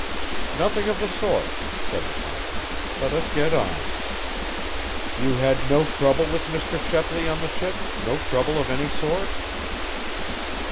"Nothing of the sort," said the captain, "Let us get on. You had no trouble with Mr. Shepley on the ship no trouble of any sort?"